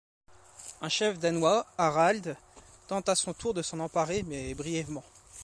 Un chef danois, Harald, tente à son tour de s'en emparer, mais brièvement.